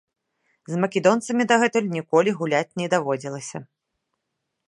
З македонцамі дагэтуль ніколі гуляць не даводзілася.